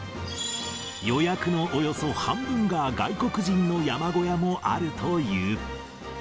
予約のおよそ半分が外国人の山小屋もあるという。